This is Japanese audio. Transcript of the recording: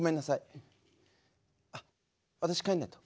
あ私帰んないと。